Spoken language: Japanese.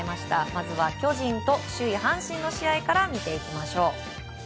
まずは巨人と首位、阪神の試合から見ていきましょう。